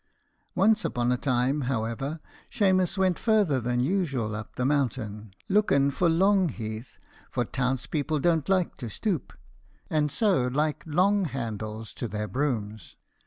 Once upon a time, however, Shemus went farther than usual up the mountain, looken for long heath, for town's people don't like to stoop, and so like long handles to their brooms.